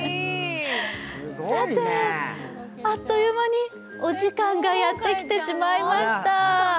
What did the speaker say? あっという間にお時間がやってきてしまいました。